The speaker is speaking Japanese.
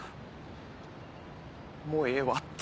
もうええわって。